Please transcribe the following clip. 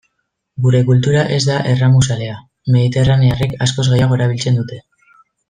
Gure kultura ez da erramuzalea, mediterranearrek askoz gehiago erabiltzen dute.